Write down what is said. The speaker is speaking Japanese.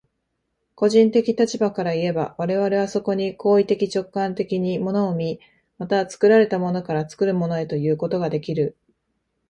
個人的立場からいえば、我々はそこに行為的直観的に物を見、また作られたものから作るものへということができる。